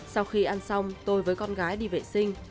sau khi ăn xong tôi với con gái đi vệ sinh